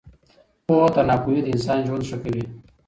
پوهه تر ناپوهۍ د انسان ژوند ښه کوي.